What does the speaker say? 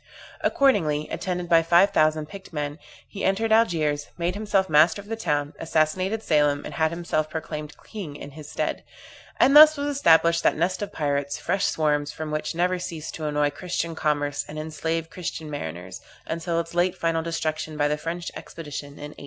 Accordingly, attended by five thousand picked men, he entered Algiers, made himself master of the town, assassinated Selim, and had himself proclaimed king in his stead; and thus was established that nest of pirates, fresh swarms from which never ceased to annoy Christian commerce and enslave Christian mariners, until its late final destruction, by the French expedition in 1830.